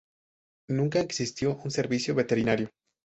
Nunca existió un servicio veterinario.